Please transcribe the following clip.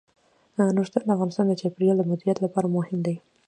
نورستان د افغانستان د چاپیریال د مدیریت لپاره مهم دي.